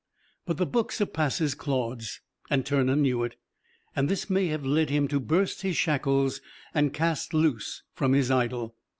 But the book surpasses Claude's, and Turner knew it, and this may have led him to burst his shackles and cast loose from his idol.